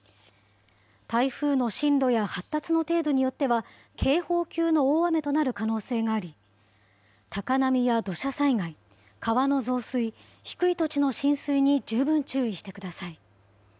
台風の進路や発達の程度によっては、警報級の大雨となる可能性があり、高波や土砂災害、川の増水、低い土地の浸水に十分注意してください。